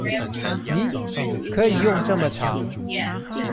疑！可以用這麼長